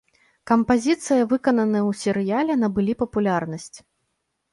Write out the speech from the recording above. Кампазіцыі, выкананыя ў серыяле, набылі папулярнасць.